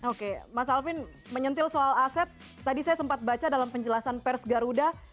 oke mas alvin menyentil soal aset tadi saya sempat baca dalam penjelasan pers garuda